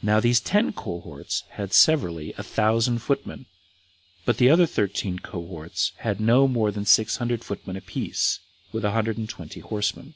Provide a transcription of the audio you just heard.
Now these ten cohorts had severally a thousand footmen, but the other thirteen cohorts had no more than six hundred footmen apiece, with a hundred and twenty horsemen.